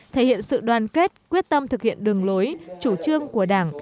thể hiện sự đoàn kết quyết tâm thực hiện đường lối chủ trương của đảng